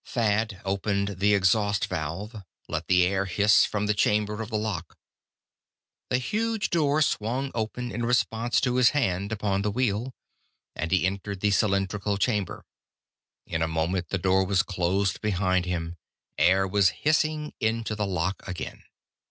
Thad opened the exhaust valve, let the air hiss from the chamber of the lock. The huge door swung open in response to his hand upon the wheel, and he entered the cylindrical chamber. In a moment the door was closed behind him, air was hissing into the lock again.